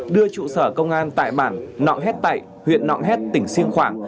đưa trụ sở công an tại bản nọng hét tạy huyện nọng hét tỉnh siêng khoảng